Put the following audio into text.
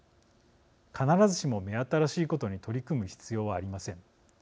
必ずしも目新しいことに取り組む必要はありません。